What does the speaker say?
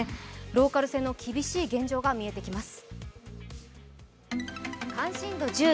ローカル線の厳しい現状が見えてきます。